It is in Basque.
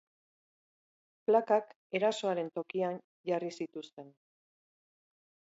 Plakak erasoaren tokian jarri zituzten.